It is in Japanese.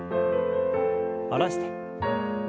下ろして。